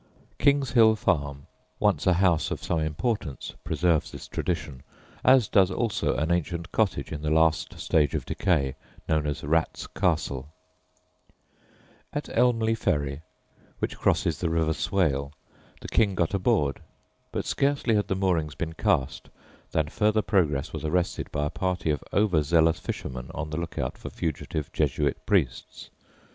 King's Hill Farm, once a house of some importance, preserves this tradition, as does also an ancient cottage, in the last stage of decay, known as "Rats' Castle." [Illustration: "RATS' CASTLE," ELMLEY, KENT] [Illustration: KING'S HILL FARM, ELMLEY, KENT] At Elmley Ferry, which crosses the river Swale, the king got aboard, but scarcely had the moorings been cast than further progress was arrested by a party of over zealous fishermen on the look out for fugitive Jesuit priests.